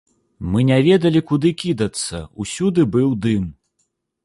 Мы не ведалі, куды кідацца, усюды быў дым.